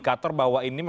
biar ada seratus saja